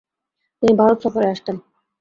তিনি ভারত সফরে আসতেন।